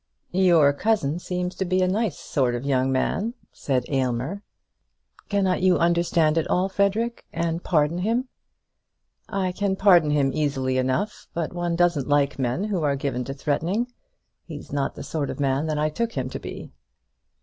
"Your cousin seems to be a nice sort of young man," said Aylmer. "Cannot you understand it all, Frederic, and pardon him?" "I can pardon him easily enough; but one doesn't like men who are given to threatening. He's not the sort of man that I took him to be."